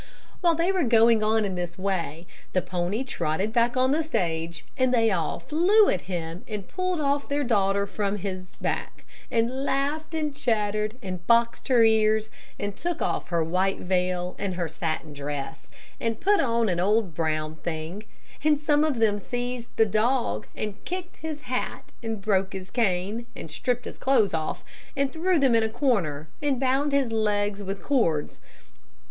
While they were going on in this way, the pony trotted back on the stage; and they all flew at him and pulled off their daughter from has back, and laughed and chattered, and boxed her ears, and took off her white veil and her satin dress, and put on an old brown thing, and some of them seized the dog, and kicked his hat, and broke his cane, and stripped his clothes off, and threw them in a corner, and bound his legs with cords.